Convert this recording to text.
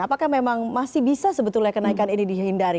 apakah memang masih bisa sebetulnya kenaikan ini dihindari